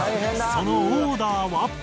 そのオーダーは。